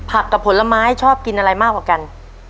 กับผลไม้ชอบกินอะไรมากกว่ากัน